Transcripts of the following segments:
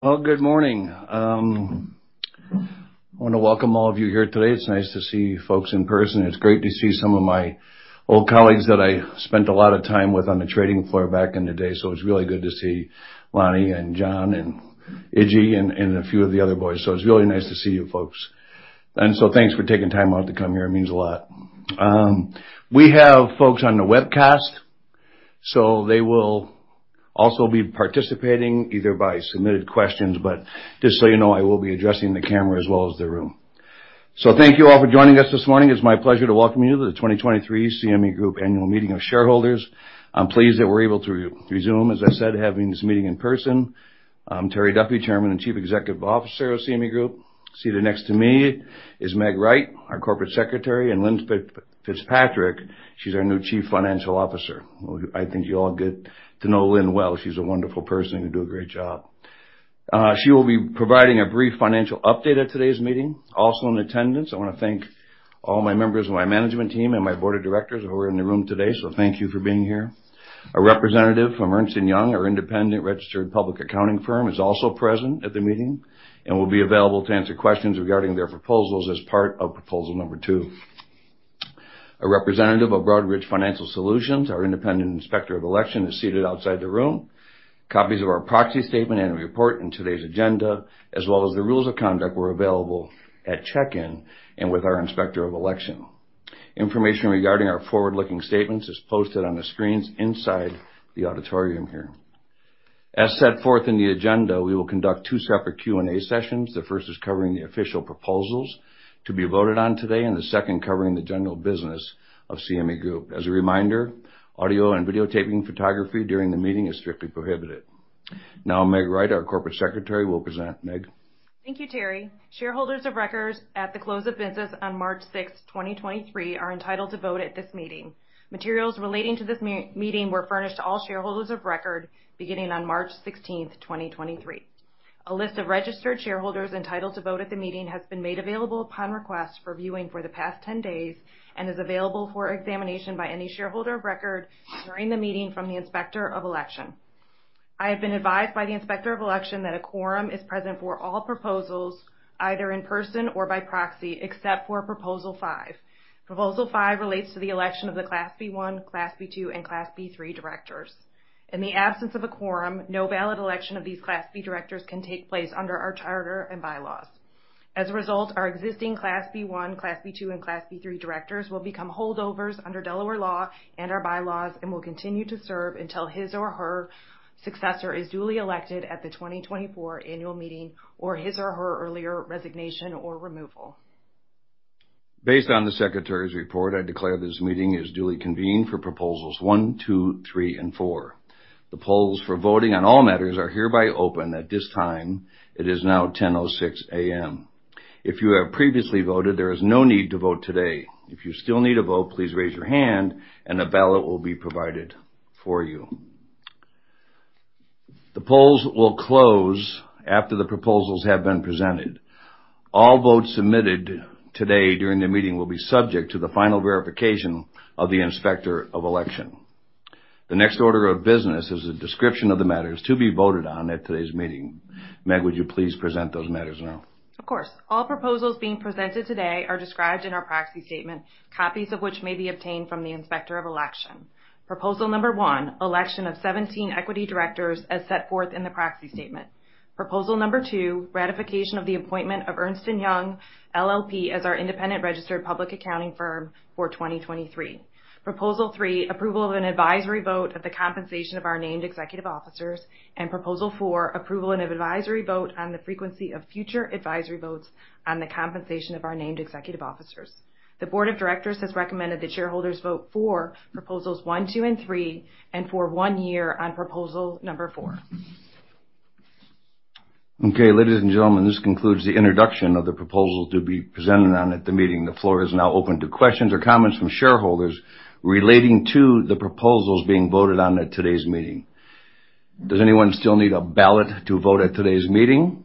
Good morning. I want to welcome all of you here today. It's nice to see you folks in person. It's great to see some of my old colleagues that I spent a lot of time with on the trading floor back in the day, so it's really good to see Lonnie and John and Iggy and a few of the other boys. It's really nice to see you folks. Thanks for taking time out to come here. It means a lot. We have folks on the webcast, so they will also be participating either by submitted questions, but just so you know, I will be addressing the camera as well as the room. Thank you all for joining us this morning. It's my pleasure to welcome you to the 2023 CME Group Annual Meeting of Shareholders. I'm pleased that we're able to resume, as I said, having this meeting in person. I'm Terry Duffy, Chairman and Chief Executive Officer of CME Group. Seated next to me is Meg Wright, our Corporate Secretary, and Lynne Fitzpatrick, she's our new Chief Financial Officer. Well, I think you all get to know Lynn well. She's a wonderful person who do a great job. She will be providing a brief financial update at today's meeting. In attendance, I wanna thank all my members of my management team and my board of directors who are in the room today. Thank you for being here. A representative from Ernst & Young, our independent registered public accounting firm, is also present at the meeting and will be available to answer questions regarding their proposals as part of proposal two. A representative of Broadridge Financial Solutions, our independent inspector of election, is seated outside the room. Copies of our proxy statement and report in today's agenda, as well as the rules of conduct, were available at check-in and with our inspector of election. Information regarding our forward-looking statements is posted on the screens inside the auditorium here. As set forth in the agenda, we will conduct two separate Q&A sessions. The first is covering the official proposals to be voted on today, and the second covering the general business of CME Group. As a reminder, audio and videotaping photography during the meeting is strictly prohibited. Now, Meg Wright, our corporate secretary, will present. Meg. Thank you, Terry. Shareholders of records at the close of business on March 6, 2023 are entitled to vote at this meeting. Materials relating to this meeting were furnished to all shareholders of record beginning on March 16, 2023. A list of registered shareholders entitled to vote at the meeting has been made available upon request for viewing for the past 10 days and is available for examination by any shareholder of record during the meeting from the Inspector of Election. I have been advised by the Inspector of Election that a quorum is present for all proposals, either in person or by proxy, except for proposal five. Proposal five relates to the election of the Class B-1, Class B-2, and Class B-3 directors. In the absence of a quorum, no valid election of these Class B directors can take place under our charter and bylaws. As a result, our existing Class B-1, Class B-2, and Class B-3 directors will become holdovers under Delaware law and our bylaws and will continue to serve until his or her successor is duly elected at the 2024 annual meeting or his or her earlier resignation or removal. Based on the secretary's report, I declare this meeting is duly convened for Proposals 1, 2, 3, and 4. The polls for voting on all matters are hereby open at this time. It is now 10:06 A.M. If you have previously voted, there is no need to vote today. If you still need to vote, please raise your hand and a ballot will be provided for you. The polls will close after the proposals have been presented. All votes submitted today during the meeting will be subject to the final verification of the Inspector of Election. The next order of business is a description of the matters to be voted on at today's meeting. Meg, would you please present those matters now? Of course. All proposals being presented today are described in our proxy statement, copies of which may be obtained from the Inspector of Election. Proposal Number 1: Election of 17 equity directors as set forth in the proxy statement. Proposal Number 2: Ratification of the appointment of Ernst & Young LLP as our independent registered public accounting firm for 2023. Proposal three: Approval of an advisory vote at the compensation of our named executive officers. Proposal four: Approval and advisory vote on the frequency of future advisory votes on the compensation of our named executive officers. The board of directors has recommended that shareholders vote for Proposals 1, 2, and 3, and for 1 year on Proposal Number 4. Ladies and gentlemen, this concludes the introduction of the proposals to be presented on at the meeting. The floor is now open to questions or comments from shareholders relating to the proposals being voted on at today's meeting. Does anyone still need a ballot to vote at today's meeting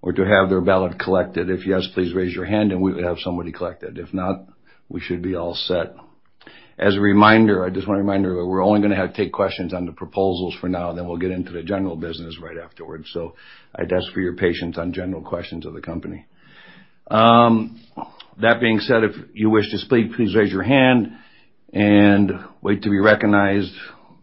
or to have their ballot collected? If yes, please raise your hand and we will have somebody collect it. If not, we should be all set. As a reminder, I just wanna remind everyone, we're only gonna take questions on the proposals for now, and then we'll get into the general business right afterwards. I'd ask for your patience on general questions of the company. That being said, if you wish to speak, please raise your hand and wait to be recognized.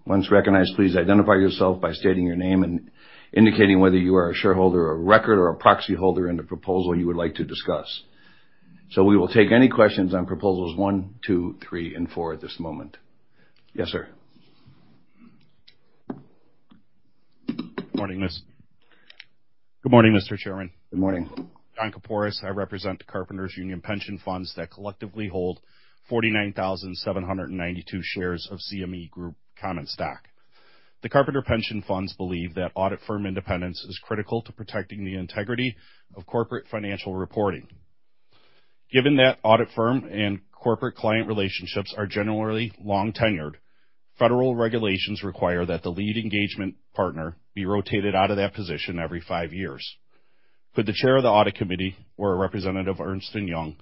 Once recognized, please identify yourself by stating your name and indicating whether you are a shareholder of record or a proxy holder and the proposal you would like to discuss. We will take any questions on Proposals 1, 2, 3, and 4 at this moment. Yes, sir. Good morning, Mr. Chairman. Good morning. Paul Capurso. I represent the Carpenters Union Pension Funds that collectively hold 49,792 shares of CME Group common stock. The Carpenters Pension Funds believe that audit firm independence is critical to protecting the integrity of corporate financial reporting. Given that audit firm and corporate client relationships are generally long-tenured, federal regulations require that the lead engagement partner be rotated out of that position every five years. Could the chair of the audit committee or a representative of Ernst & Young,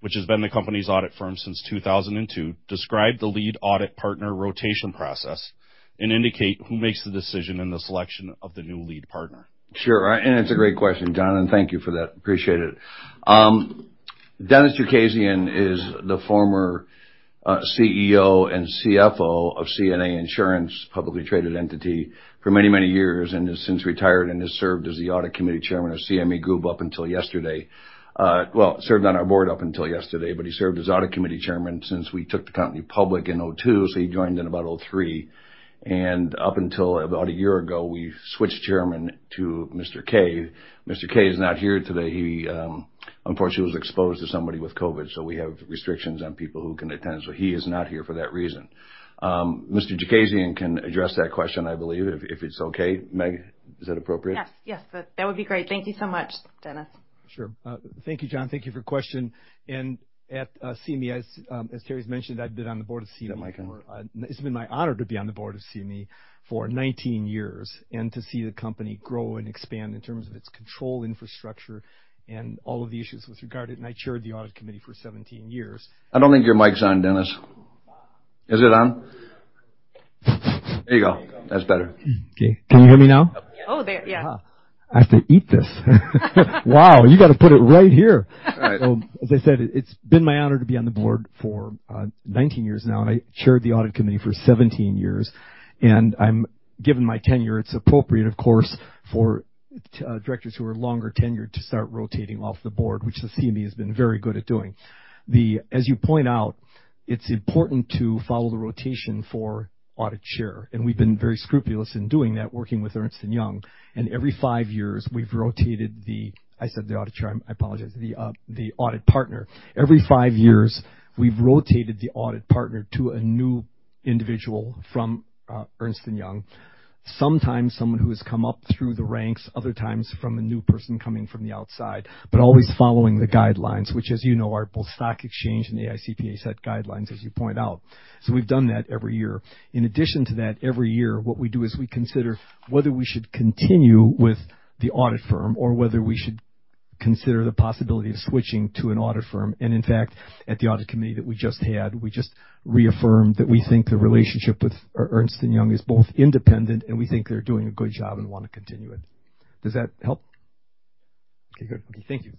which has been the company's audit firm since 2002, describe the lead audit partner rotation process and indicate who makes the decision in the selection of the new lead partner? Sure. It's a great question, John, and thank you for that. Appreciate it. Dennis Chookaszian is the former CEO and CFO of CNA Insurance, publicly traded entity for many, many years and has since retired and has served as the Audit Committee Chairman of CME Group up until yesterday. Well, served on our board up until yesterday, but he served as Audit Committee Chairman since we took the company public in 2002. He joined in about 2003. Up until about a year ago, we switched Chairman to Mr. Kaye. Mr. Kaye is not here today. He, unfortunately, was exposed to somebody with COVID, so we have restrictions on people who can attend, so he is not here for that reason. Mr. Chookaszian can address that question, I believe, if it's okay. Meg, is that appropriate? Yes. Yes. That would be great. Thank you so much, Dennis. Sure. Thank you, John. Thank you for your question. At CME, as Terry's mentioned, I've been on the board of CME- Is that mic on? It's been my honor to be on the board of CME for 19 years and to see the company grow and expand in terms of its control infrastructure and all of the issues with regard, and I chaired the audit committee for 17 years. I don't think your mic's on, Dennis. Is it on? There you go. That's better. Okay. Can you hear me now? Oh, there, yeah. I have to eat this. Wow, you got to put it right here. All right. as I said, it's been my honor to be on the board for 19 years now, and I chaired the audit committee for 17 years. given my tenure, it's appropriate, of course, for directors who are longer tenured to start rotating off the board, which the CME has been very good at doing. as you point out, it's important to follow the rotation for audit chair, and we've been very scrupulous in doing that, working with Ernst & Young. every five years, we've rotated the I said the audit chair, I apologize, the audit partner. Every 5 years, we've rotated the audit partner to a new individual from Ernst & Young. Sometimes someone who has come up through the ranks, other times from a new person coming from the outside. Always following the guidelines, which, as you know, are both stock exchange and the AICPA set guidelines, as you point out. We've done that every year. In addition to that, every year, what we do is we consider whether we should continue with the audit firm or whether we should consider the possibility of switching to an audit firm. In fact, at the audit committee that we just had, we just reaffirmed that we think the relationship with Ernst & Young is both independent, and we think they're doing a good job and want to continue it. Does that help? Okay, good. Thank you,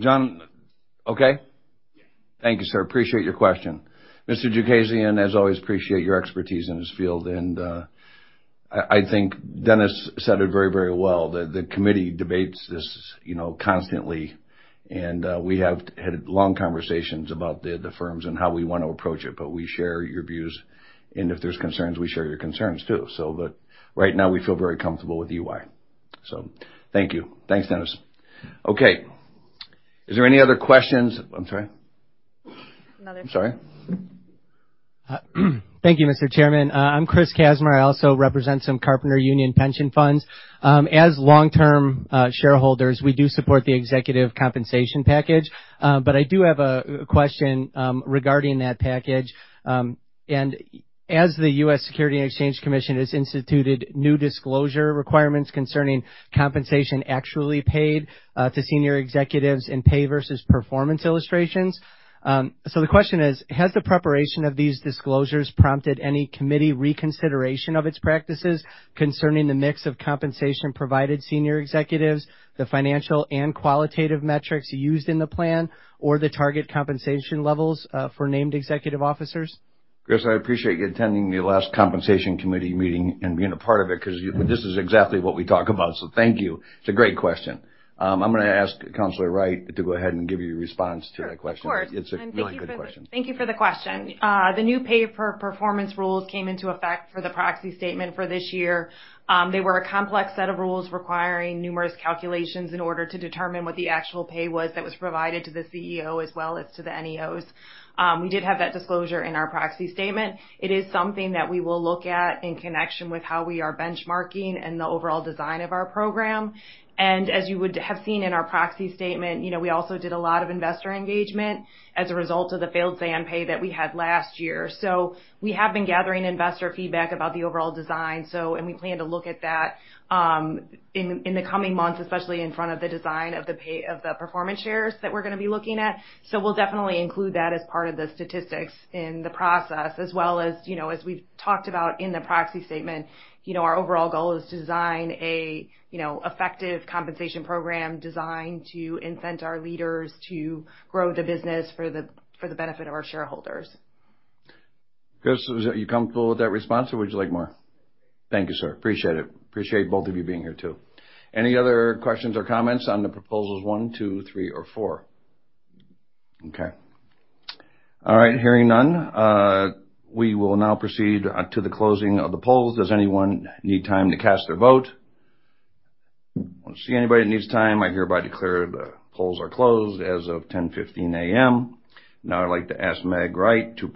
John. Okay? Thank you, sir. Appreciate your question. Mr. Chookaszian, as always, appreciate your expertise in this field. I think Dennis said it very, very well. The committee debates this, you know, constantly. We have had long conversations about the firms and how we want to approach it, but we share your views, and if there's concerns, we share your concerns, too. Right now, we feel very comfortable with EY. Thank you. Thanks, Dennis. Okay. Is there any other questions? I'm sorry. Another. I'm sorry. Thank you, Mr. Chairman. I'm Chris Kazimer. I also represent some Carpenters Union Pension Funds. As long-term shareholders, we do support the executive compensation package. I do have a question regarding that package. As the U.S. Securities and Exchange Commission has instituted new disclosure requirements concerning compensation actually paid to senior executives in pay versus performance illustrations. The question is: Has the preparation of these disclosures prompted any committee reconsideration of its practices concerning the mix of compensation provided senior executives, the financial and qualitative metrics used in the plan, or the target compensation levels for named executive officers? Chris, I appreciate you attending the last compensation committee meeting and being a part of it because this is exactly what we talk about. Thank you. It's a great question. I'm gonna ask Counselor Wright to go ahead and give you a response to that question. Sure. Of course. It's a really good question. Thank you for the question. The new pay versus performance rules came into effect for the proxy statement for this year. They were a complex set of rules requiring numerous calculations in order to determine what the actual pay was that was provided to the CEO as well as to the NEOs. We did have that disclosure in our proxy statement. It is something that we will look at in connection with how we are benchmarking and the overall design of our program. As you would have seen in our proxy statement, you know, we also did a lot of investor engagement as a result of the failed say on pay that we had last year. We have been gathering investor feedback about the overall design, and we plan to look at that in the coming months, especially in front of the design of the performance shares that we're gonna be looking at. We'll definitely include that as part of the statistics in the process as well as, you know, as we've talked about in the proxy statement, you know, our overall goal is to design a, you know, effective compensation program designed to incent our leaders to grow the business for the benefit of our shareholders. Chris, are you comfortable with that response, or would you like more? Thank you, sir. Appreciate it. Appreciate both of you being here, too. Any other questions or comments on the proposals one, two, three, or four? Okay. All right, hearing none, we will now proceed to the closing of the polls. Does anyone need time to cast their vote? I don't see anybody at this time. I hereby declare the polls are closed as of 10:15 A.M. Now I'd like to ask Meg Wright to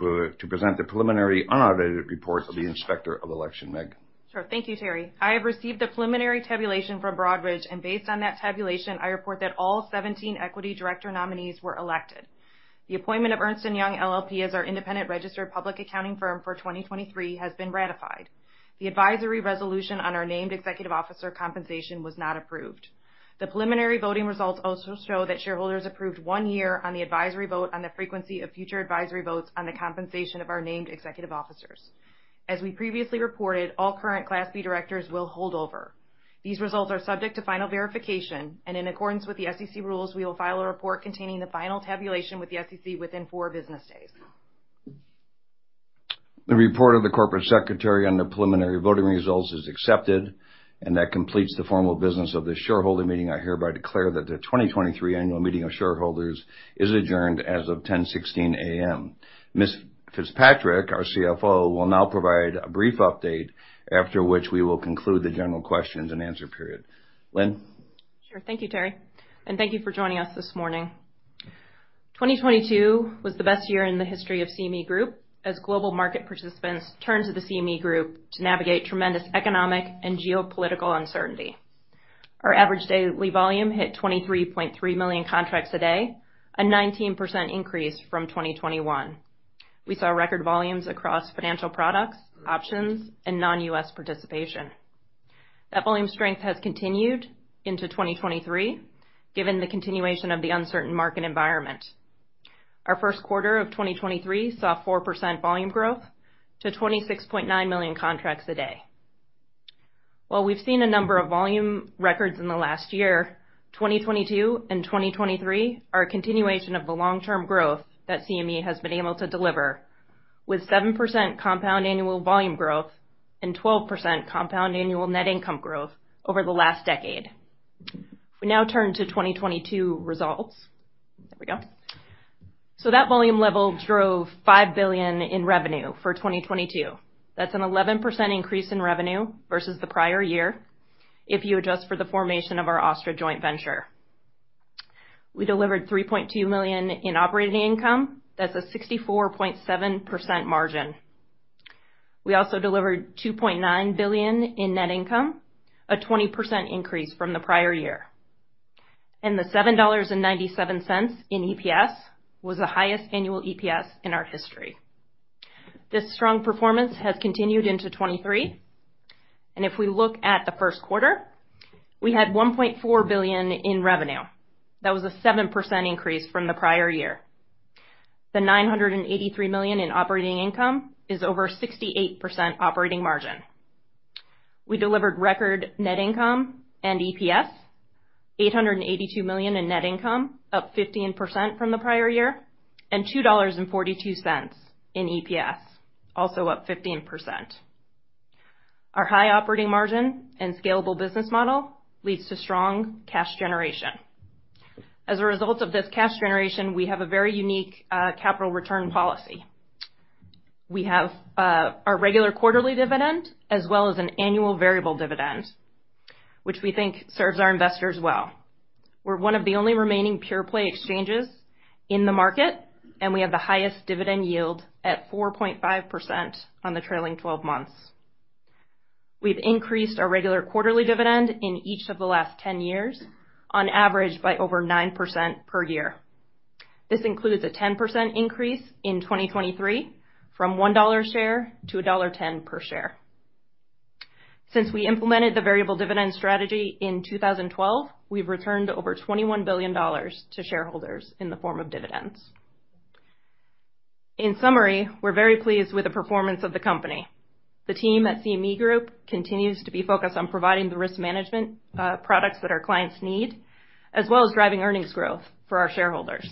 present the preliminary unaudited report of the Inspector of Election. Meg. Sure. Thank you, Terry. I have received the preliminary tabulation from Broadridge, and based on that tabulation, I report that all 17 Equity Director nominees were elected. The appointment of Ernst & Young LLP as our independent registered public accounting firm for 2023 has been ratified. The advisory resolution on our named executive officer compensation was not approved. The preliminary voting results also show that shareholders approved one year on the advisory vote on the frequency of future advisory votes on the compensation of our named executive officers. As we previously reported, all current Class B directors will hold over. These results are subject to final verification, and in accordance with the SEC rules, we will file a report containing the final tabulation with the SEC within 4 business days. The report of the Corporate Secretary on the preliminary voting results is accepted. That completes the formal business of this shareholder meeting. I hereby declare that the 2023 annual meeting of shareholders is adjourned as of 10:16 A.M. Ms. Fitzpatrick, our CFO, will now provide a brief update, after which we will conclude the general questions and answer period. Lynn? Sure. Thank you, Terry. Thank you for joining us this morning. 2022 was the best year in the history of CME Group as global market participants turned to the CME Group to navigate tremendous economic and geopolitical uncertainty. Our average daily volume hit 23.3 million contracts a day, a 19% increase from 2021. We saw record volumes across financial products, options, and non-U.S. participation. That volume strength has continued into 2023, given the continuation of the uncertain market environment. Our first quarter of 2023 saw 4% volume growth to 26.9 million contracts a day. While we've seen a number of volume records in the last year, 2022 and 2023 are a continuation of the long-term growth that CME has been able to deliver, with 7% compound annual volume growth and 12% compound annual net income growth over the last decade. We now turn to 2022 results. There we go. That volume level drove $5 billion in revenue for 2022. That's an 11% increase in revenue versus the prior year if you adjust for the formation of our OSTTRA joint venture. We delivered $3.2 million in operating income. That's a 64.7% margin. We also delivered $2.9 billion in net income, a 20% increase from the prior year. The $7.97 in EPS was the highest annual EPS in our history. This strong performance has continued into 2023. If we look at the first quarter, we had $1.4 billion in revenue. That was a 7% increase from the prior year. The $983 million in operating income is over 68% operating margin. We delivered record net income and EPS, $882 million in net income, up 15% from the prior year, and $2.42 in EPS, also up 15%. Our high operating margin and scalable business model leads to strong cash generation. As a result of this cash generation, we have a very unique capital return policy. We have our regular quarterly dividend as well as an annual variable dividend, which we think serves our investors well. We're one of the only remaining pure-play exchanges in the market, and we have the highest dividend yield at 4.5% on the trailing 12 months. We've increased our regular quarterly dividend in each of the last 10 years, on average, by over 9% per year. This includes a 10% increase in 2023 from $1 a share to $1.10 per share. Since we implemented the variable dividend strategy in 2012, we've returned over $21 billion to shareholders in the form of dividends. In summary, we're very pleased with the performance of the company. The team at CME Group continues to be focused on providing the risk management products that our clients need, as well as driving earnings growth for our shareholders.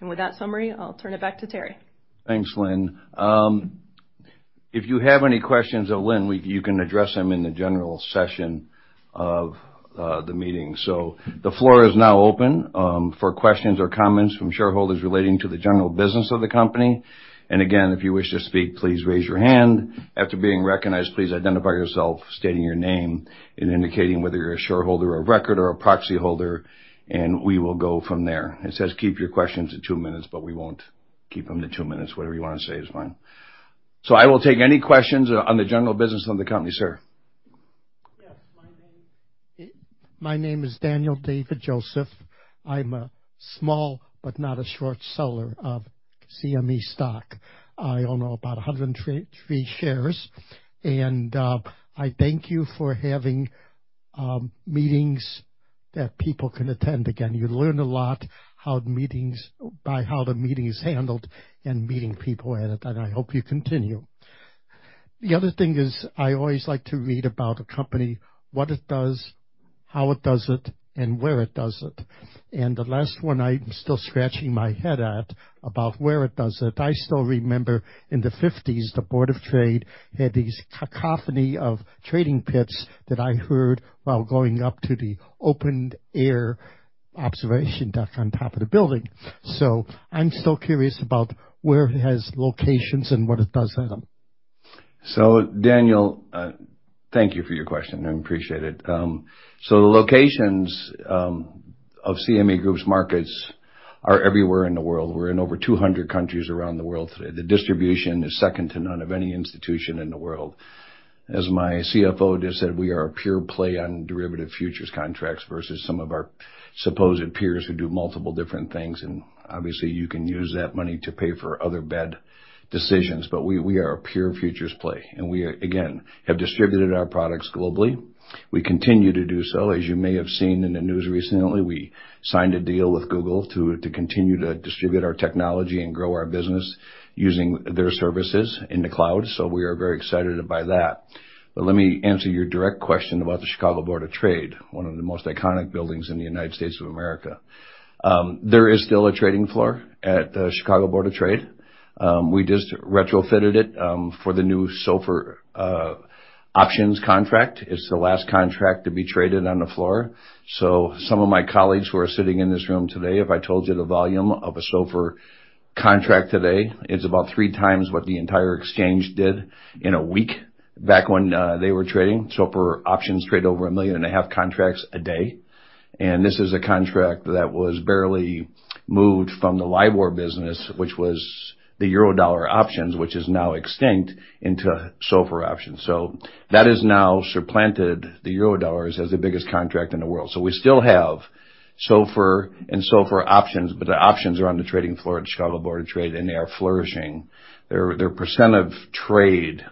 With that summary, I'll turn it back to Terry. Thanks, Lynne. If you have any questions of Lynne, you can address them in the general session of the meeting. The floor is now open for questions or comments from shareholders relating to the general business of the company. Again, if you wish to speak, please raise your hand. After being recognized, please identify yourself, stating your name and indicating whether you're a shareholder of record or a proxy holder, and we will go from there. It says keep your questions to two minutes, we won't keep them to two minutes. Whatever you want to say is fine. I will take any questions on the general business of the company. Sir. Yes. My name is Daniel David Joseph. I'm a small but not a short seller of CME stock. I own about 103 shares. I thank you for having meetings that people can attend again. You learn a lot by how the meeting is handled and meeting people at it. I hope you continue. The other thing is I always like to read about a company, what it does, how it does it, and where it does it. The last one I'm still scratching my head at about where it does it. I still remember in the '50s, the Board of Trade had these cacophony of trading pits that I heard while going up to the open air observation deck on top of the building. I'm still curious about where it has locations and what it does at them? Daniel, thank you for your question. I appreciate it. The locations of CME Group's markets are everywhere in the world. We're in over 200 countries around the world today. The distribution is second to none of any institution in the world. As my CFO just said, we are a pure play on derivative futures contracts versus some of our supposed peers who do multiple different things. Obviously, you can use that money to pay for other bad decisions. We are a pure futures play, and we, again, have distributed our products globally. We continue to do so. As you may have seen in the news recently, we signed a deal with Google to continue to distribute our technology and grow our business using their services in the cloud. We are very excited about that. Let me answer your direct question about the Chicago Board of Trade, one of the most iconic buildings in the United States of America. There is still a trading floor at the Chicago Board of Trade. We just retrofitted it for the new SOFR options contract. It's the last contract to be traded on the floor. Some of my colleagues who are sitting in this room today, if I told you the volume of a SOFR contract today, it's about three times what the entire exchange did in a week back when they were trading. SOFR options trade over 1.5 million contracts a day. This is a contract that was barely moved from the LIBOR business, which was the Eurodollar options, which is now extinct, into SOFR options. That has now supplanted the Eurodollars as the biggest contract in the world. We still have SOFR and SOFR options, but the options are on the trading floor at Chicago Board of Trade, and they are flourishing. Their percent of trade,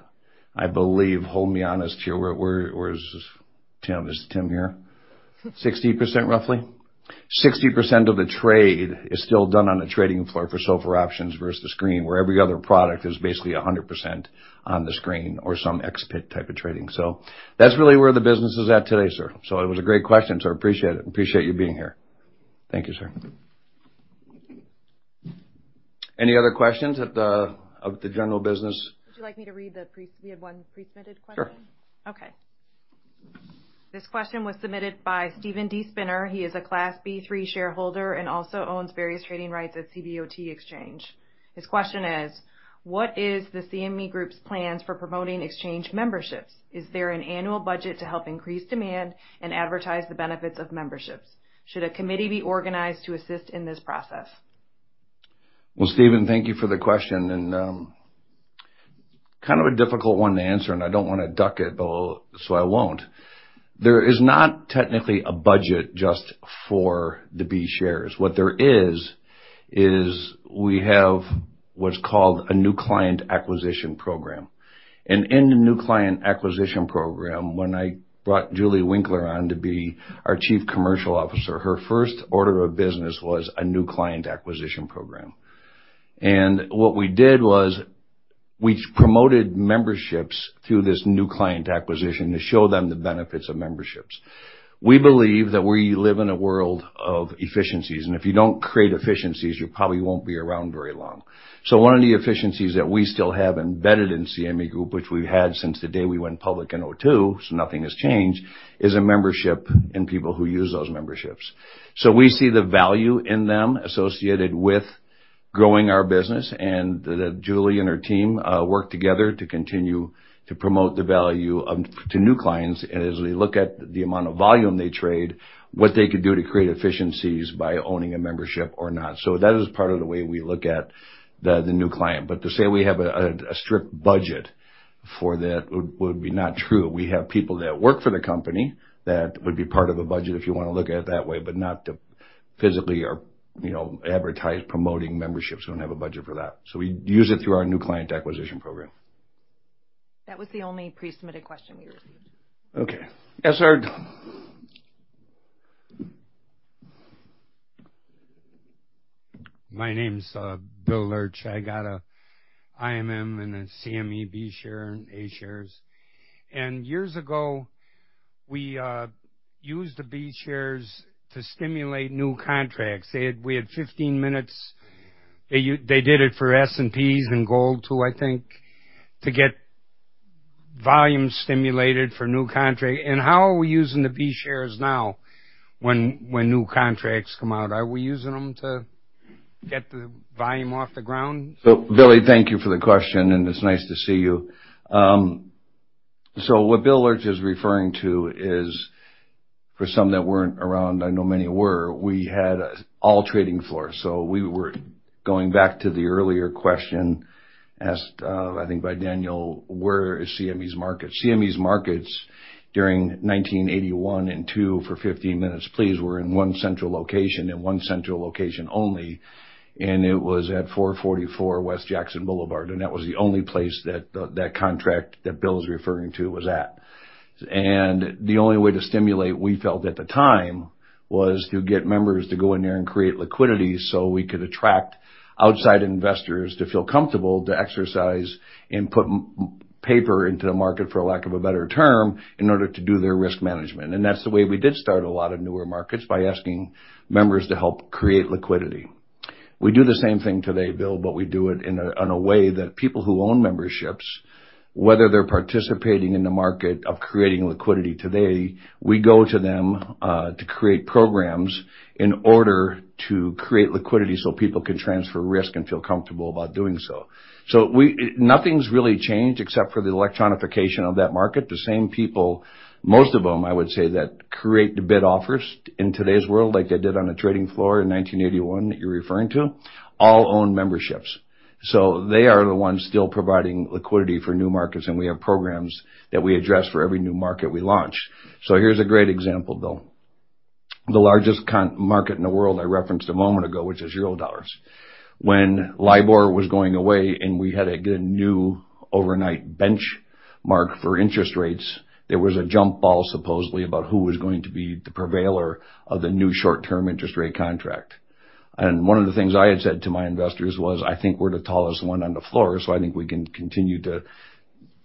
I believe, hold me honest here, where is Tim? Is Tim here? 60%, roughly. 60% of the trade is still done on the trading floor for SOFR options versus screen, where every other product is basically 100% on the screen or some ex-pit type of trading. That's really where the business is at today, sir. It was a great question, so I appreciate it. Appreciate you being here. Thank you, sir. Any other questions of the general business? Would you like me to read? We had 1 pre-submitted question. Sure. Okay. This question was submitted by Steven D. Spinner. He is a Class B-3 shareholder and also owns various trading rights at CBOT Exchange. His question is: What is the CME Group's plans for promoting exchange memberships? Is there an annual budget to help increase demand and advertise the benefits of memberships? Should a committee be organized to assist in this process? Well, Steven, thank you for the question and, kind of a difficult one to answer, and I don't wanna duck it, so I won't. There is not technically a budget just for the B shares. What there is we have what's called a new client acquisition program. And in the new client acquisition program, when I brought Julie Winkler on to be our Chief Commercial Officer, her first order of business was a new client acquisition program. And what we did was we promoted memberships through this new client acquisition to show them the benefits of memberships. We believe that we live in a world of efficiencies, and if you don't create efficiencies, you probably won't be around very long. One of the efficiencies that we still have embedded in CME Group, which we've had since the day we went public in 2002, nothing has changed, is a membership and people who use those memberships. We see the value in them associated with growing our business and that Julie and her team work together to continue to promote the value to new clients. As we look at the amount of volume they trade, what they could do to create efficiencies by owning a membership or not. That is part of the way we look at the new client. To say we have a strict budget for that would be not true. We have people that work for the company that would be part of a budget if you wanna look at it that way, but not to physically or, you know, advertise promoting memberships. We don't have a budget for that. We use it through our new client acquisition program. That was the only pre-submitted question we received. Okay. Yes, sir. My name's Bill Lurch. I got a IMM and a CME B share and A shares. Years ago, we used the B shares to stimulate new contracts. We had 15 minutes. They did it for S&Ps and Gold too, I think, to get volume stimulated for a new contract. How are we using the B shares now when new contracts come out? Are we using them to get the volume off the ground? Billy, thank you for the question, and it's nice to see you. What Bill Lurch is referring to is for some that weren't around, I know many were, we had all trading floors. We were going back to the earlier question asked, I think by Daniel, where is CME's market? CME's markets during 1981 and two for 15 minutes, please, were in one central location and one central location only, and it was at 444 West Jackson Boulevard. That was the only place that contract that Bill is referring to was at. The only way to stimulate, we felt at the time, was to get members to go in there and create liquidity so we could attract outside investors to feel comfortable to exercise and put paper into the market, for lack of a better term, in order to do their risk management. That's the way we did start a lot of newer markets by asking members to help create liquidity. We do the same thing today, Bill, but we do it in a, in a way that people who own memberships, whether they're participating in the market of creating liquidity today, we go to them, to create programs in order to create liquidity so people can transfer risk and feel comfortable about doing so. Nothing's really changed except for the electronification of that market. The same people, most of them, I would say, that create the bid offers in today's world like they did on the trading floor in 1981 that you're referring to, all own memberships. They are the ones still providing liquidity for new markets, and we have programs that we address for every new market we launch. Here's a great example, Bill. The largest market in the world I referenced a moment ago, which is Eurodollars. When LIBOR was going away, and we had to get a new overnight benchmark for interest rates, there was a jump ball supposedly about who was going to be the prevailer of the new short-term interest rate contract. One of the things I had said to my investors was, "I think we're the tallest one on the floor, I think we can continue to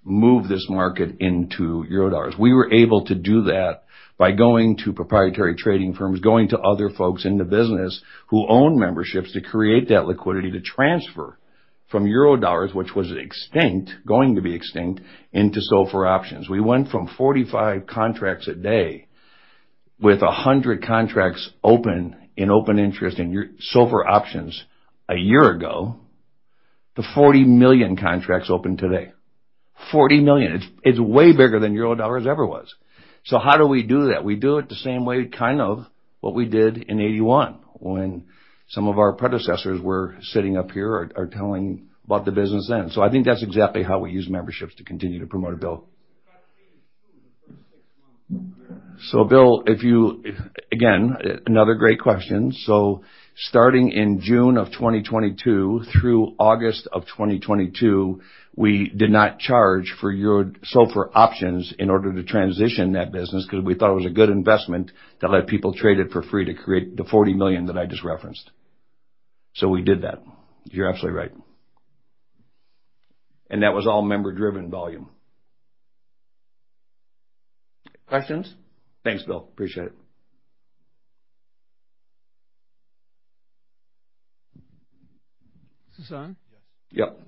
move this market into Eurodollars." We were able to do that by going to proprietary trading firms, going to other folks in the business who own memberships to create that liquidity to transfer from Eurodollars, which was extinct, going to be extinct, into SOFR options. We went from 45 contracts a day with 100 contracts open in open interest in your SOFR options a year ago, to 40 million contracts open today. 40 million. It's way bigger than Eurodollars ever was. How do we do that? We do it the same way, kind of, what we did in 1981 when some of our predecessors were sitting up here or telling about the business then. I think that's exactly how we use memberships to continue to promote it, Bill. Bill, if, again, another great question. Starting in June of 2022 through August of 2022, we did not charge for your SOFR options in order to transition that business 'cause we thought it was a good investment to let people trade it for free to create the $40 million that I just referenced. We did that. You're absolutely right. That was all member-driven volume. Questions? Thanks, Bill. Appreciate it. Is this on? Yes. Yep.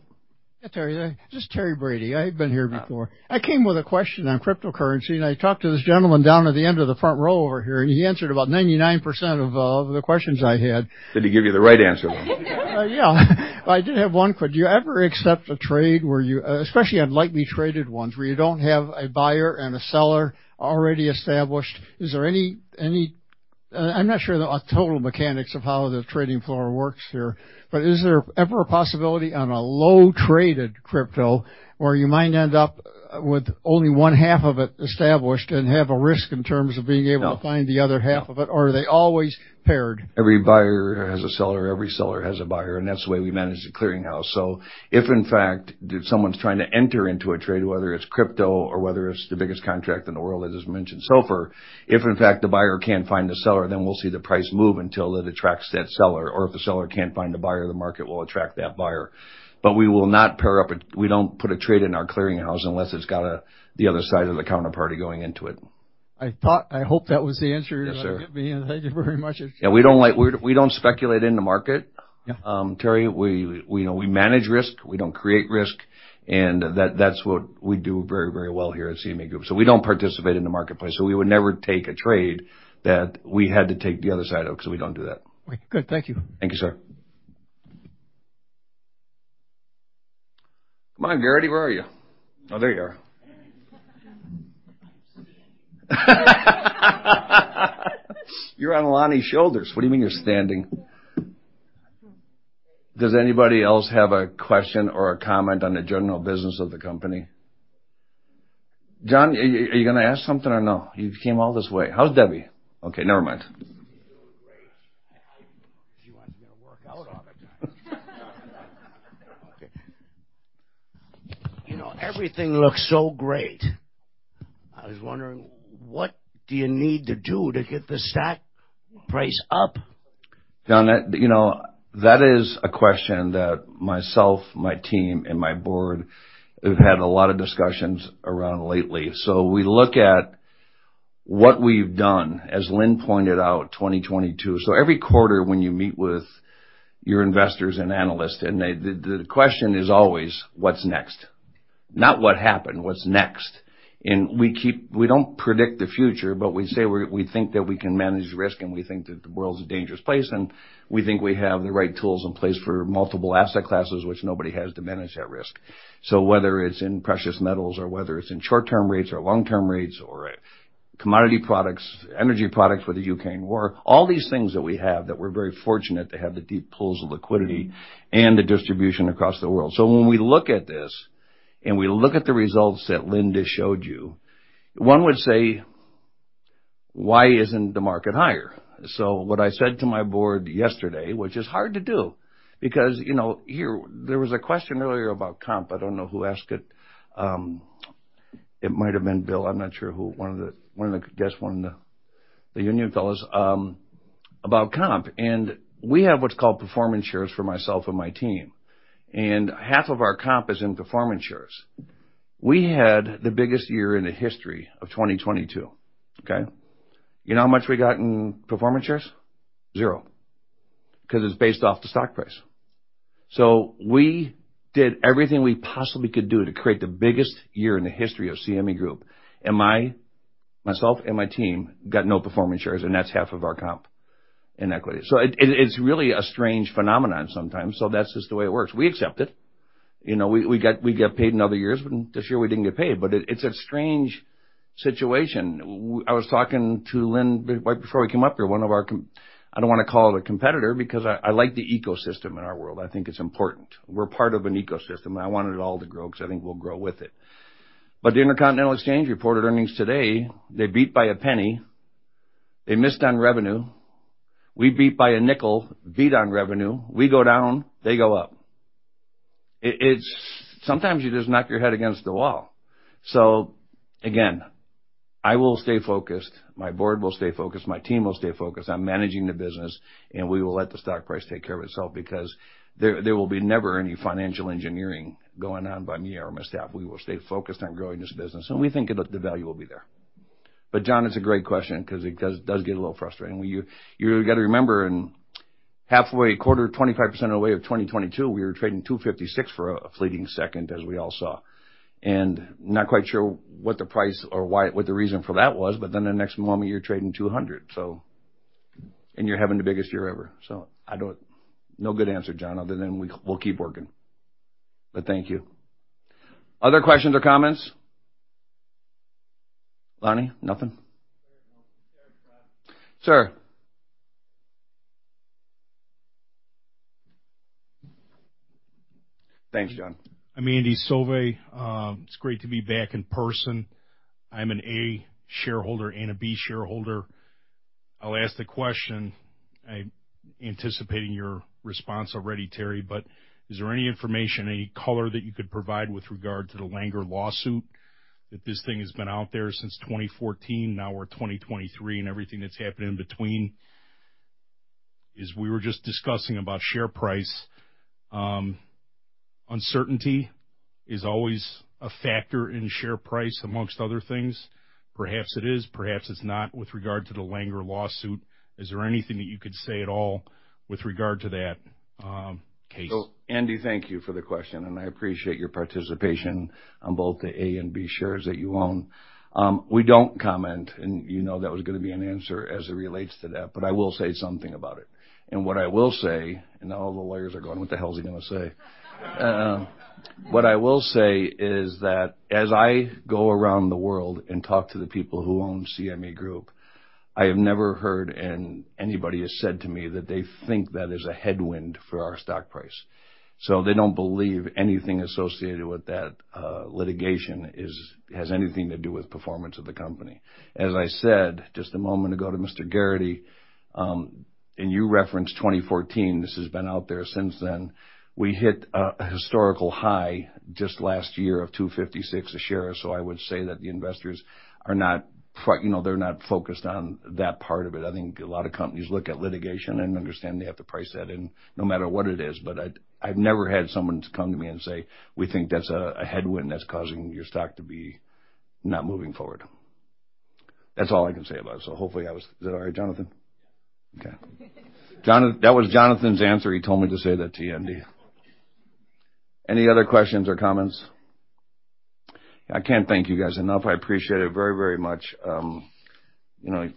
Hi, Terry. Just Terry Brady. I've been here before. I came with a question on cryptocurrency. I talked to this gentleman down at the end of the front row over here. He answered about 99% of the questions I had. Did he give you the right answer? Yeah. I did have one. Could you ever accept a trade where you, especially on lightly traded ones, where you don't have a buyer and a seller already established, is there any... I'm not sure the total mechanics of how the trading floor works here, but is there ever a possibility on a low-traded crypto, or you might end up with only one half of it established and have a risk in terms of being able- No. To find the other half of it. No. Are they always paired? Every buyer has a seller, every seller has a buyer. That's the way we manage the clearinghouse. If, in fact, someone's trying to enter into a trade, whether it's crypto or whether it's the biggest contract in the world, as is mentioned, SOFR. If, in fact, the buyer can't find the seller, we'll see the price move until it attracts that seller. If the seller can't find a buyer, the market will attract that buyer. We will not pair up, we don't put a trade in our clearinghouse unless it's got the other side of the counterparty going into it. I thought, I hoped that was the answer- Yes, sir. you were gonna give me, and thank you very much. Appreciate it. Yeah, we don't speculate in the market. Yeah. Terry. We, you know, we manage risk. We don't create risk. That's what we do very well here at CME Group. We don't participate in the marketplace. We would never take a trade that we had to take the other side of, 'cause we don't do that. Right. Good. Thank you. Thank you, sir. Come on, Garrity. Where are you? Oh, there you are. You're on Lonnie's shoulders. What do you mean you're standing? Does anybody else have a question or a comment on the general business of the company? John, are you gonna ask something or no? You came all this way. How's Debbie? Okay, never mind. She's doing great. She wants me to work out all the time. Okay. You know, everything looks so great. I was wondering, what do you need to do to get the stock price up? John, that, you know, that is a question that myself, my team, and my board have had a lot of discussions around lately. We look at what we've done, as Lynne pointed out, 2022. Every quarter when you meet with your investors and analysts, The question is always, "What's next?" Not what happened, what's next. We don't predict the future, but we say we think that we can manage risk, and we think that the world's a dangerous place, and we think we have the right tools in place for multiple asset classes, which nobody has, to manage that risk. Whether it's in precious metals or whether it's in short-term rates or long-term rates or commodity products, energy products with the Ukraine war, all these things that we have that we're very fortunate to have the deep pools of liquidity and the distribution across the world. When we look at this and we look at the results that Lynne just showed you, one would say, "Why isn't the market higher?" What I said to my board yesterday, which is hard to do because, you know, here, there was a question earlier about comp. I don't know who asked it. It might've been Bill. I'm not sure who. One of the guests, one of the union fellas, about comp. We have what's called performance shares for myself and my team, and half of our comp is in performance shares. We had the biggest year in the history of 2022. Okay? You know how much we got in performance shares? Zero. Because it's based off the stock price. We did everything we possibly could do to create the biggest year in the history of CME Group. Myself and my team got no performance shares, and that's half of our comp in equity. It's really a strange phenomenon sometimes. That's just the way it works. We accept it. You know, we get paid in other years, but this year we didn't get paid. It's a strange situation. I was talking to Lynne right before we came up here, one of our I don't wanna call it a competitor because I like the ecosystem in our world. I think it's important. We're part of an ecosystem. I want it all to grow because I think we'll grow with it. The Intercontinental Exchange reported earnings today, they beat by $0.01. They missed on revenue. We beat by $0.05, beat on revenue. We go down, they go up. It's. Sometimes you just knock your head against the wall. Again, I will stay focused, my board will stay focused, my team will stay focused. I'm managing the business, and we will let the stock price take care of itself because there will be never any financial engineering going on by me or my staff. We will stay focused on growing this business, and we think the value will be there. John, it's a great question 'cause it does get a little frustrating. When you gotta remember in halfway, a quarter, 25% of the way of 2022, we were trading $256 for a fleeting second, as we all saw. Not quite sure what the price or what the reason for that was, the next moment you're trading $200, so. You're having the biggest year ever. I don't. No good answer, John, other than we'll keep working. Thank you. Other questions or comments? Lonnie, nothing? Very well. Sir. Thanks, John. I'm Andy Sauve. It's great to be back in person. I'm an A shareholder and a B shareholder. I'll ask the question. I'm anticipating your response already, Terry. Is there any information, any color that you could provide with regard to the Langer lawsuit? That this thing has been out there since 2014, now we're 2023, and everything that's happened in between. As we were just discussing about share price, uncertainty is always a factor in share price, amongst other things. Perhaps it is, perhaps it's not, with regard to the Langer lawsuit. Is there anything that you could say at all with regard to that, case? Andy, thank you for the question, and I appreciate your participation on both the A and B shares that you own. We don't comment, and you know that was gonna be an answer as it relates to that, but I will say something about it. What I will say, and all the lawyers are going, "What the hell is he gonna say?" What I will say is that as I go around the world and talk to the people who own CME Group, I have never heard and anybody has said to me that they think that is a headwind for our stock price. They don't believe anything associated with that litigation has anything to do with performance of the company. As I said, just a moment ago to Mr. Garrity, you referenced 2014, this has been out there since then. We hit a historical high just last year of $256 a share. I would say that the investors are not, you know, they're not focused on that part of it. I think a lot of companies look at litigation and understand they have to price that in no matter what it is. I've never had someone come to me and say, "We think that's a headwind that's causing your stock to be not moving forward." That's all I can say about it. Hopefully I was... Is that all right, Jonathan? Yeah. Okay. That was Jonathan's answer. He told me to say that to you, Andy. Any other questions or comments? I can't thank you guys enough. I appreciate it very, very much. you know,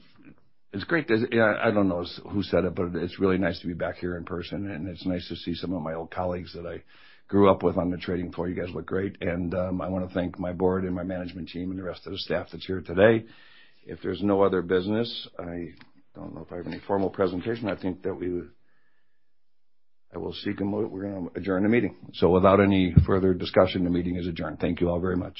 it's great to. I don't know who said it, but it's really nice to be back here in person, and it's nice to see some of my old colleagues that I grew up with on the trading floor. You guys look great. I wanna thank my board and my management team and the rest of the staff that's here today. If there's no other business, I don't know if I have any formal presentation. I think that we would. We're gonna adjourn the meeting. Without any further discussion, the meeting is adjourned. Thank you all very much.